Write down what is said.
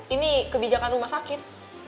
ini kebijakan rumah sakit